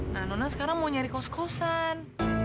nah nono sekarang mau nyari kos kosan